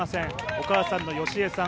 お母さんのヨシエさん